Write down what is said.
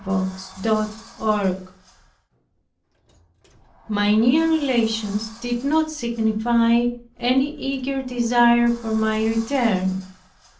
CHAPTER 5 My near relations did not signify any eager desire for my return.